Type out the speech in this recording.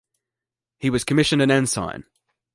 He was commissioned an ensign.